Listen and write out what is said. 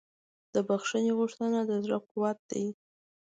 د بښنې غوښتنه د زړه قوت دی.